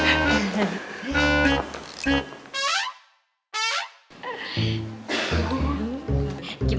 saya pengen berjumpa